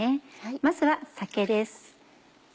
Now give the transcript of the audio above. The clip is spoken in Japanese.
まずは酒です。